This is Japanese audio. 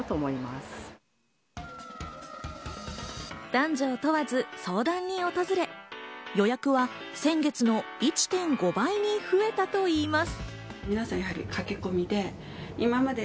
男女を問わず相談に訪れ、予約は先月の１．５倍に増えたといいます。